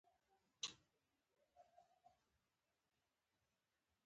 خو زما په کمزورۍ خو ته پوهېږې